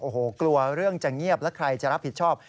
โอ้โหกลัวเรื่องจะเงียบและใครจะรับผิดชอบ